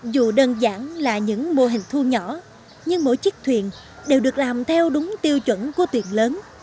dù đơn giản là những mô hình thu nhỏ nhưng mỗi chiếc thuyền đều được làm theo đúng tiêu chuẩn của thuyền lớn